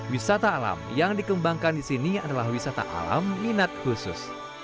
wisata alam yang dikembangkan di sini adalah wisata alam minat khusus